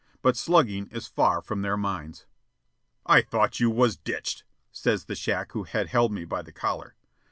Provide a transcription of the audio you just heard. But slugging is far from their minds. "I thought you was ditched," says the shack who had held me by the collar.